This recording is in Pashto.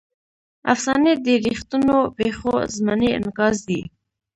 افسانې د ریښتونو پېښو ضمني انعکاس دی.